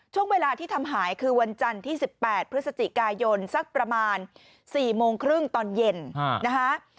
ช่วงเวลาที่ทำหายคือวันจันทร์ที่๑๘พฤศจิกายนสักประมาณ๔โมงครึ่งตอนเย็นนะคะ